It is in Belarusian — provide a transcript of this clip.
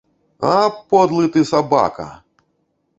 А, подлы ты, сабака!